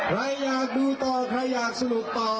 ใครอยากดูต่อใครอยากสนุกต่อ